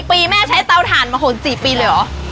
ปีแม่ใช้เตาถ่านมาห่น๔ปีเลยเหรอ